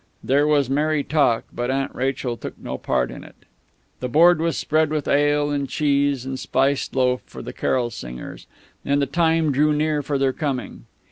There was merry talk, but Aunt Rachel took no part in it. The board was spread with ale and cheese and spiced loaf for the carol singers; and the time drew near for their coming.